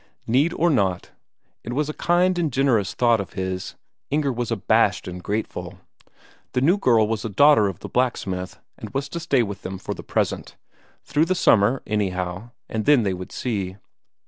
Need or not it was a kind and generous thought of his; Inger was abashed and grateful. The new girl was a daughter of the blacksmith, and she was to stay with them for the present; through the summer, anyhow, and then they would see.